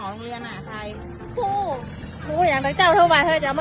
โรงเรียนอ่ะใครผู้ผู้อย่างตัวเจ้าเท่าไหวเธอจะเอามา